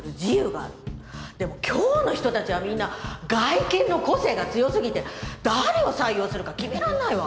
でも今日の人たちはみんな外見の個性が強すぎて誰を採用するか決められないわ。